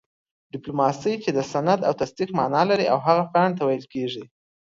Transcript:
ډيپلوماسۍ چې د سند او تصديق مانا لري او هغې پاڼي ته ويل کيږي